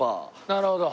なるほど。